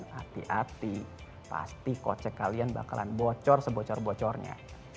hati hati pasti kocek kalian bakalan bocor sebocor bocornya